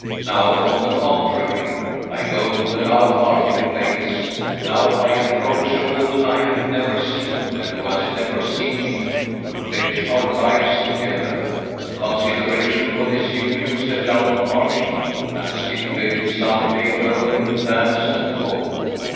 Now, on the contrary, I go to the loud marketplace; now I approach a woman I have never seen, and who has never seen me, to pledge our lives together, the consideration for this union set down on parchment, and a stipulated sum paid over in lands and gold."